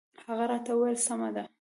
هغه راته وویل سمه ده.